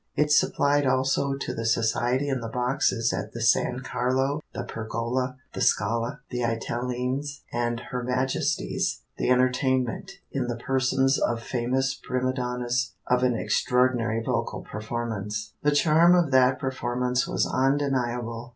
It supplied also to the society in the boxes at the San Carlo, the Pergola, the Scala, the Italiens, and Her Majesty's, the entertainment, in the persons of famous prima donnas, of an extraordinary vocal performance. The charm of that performance was undeniable.